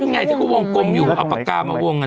นั่นไงที่เขาวงกลมอยู่ว่าอัปกามาวงกันน่ะ